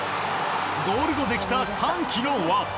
ゴール後にできた歓喜の輪。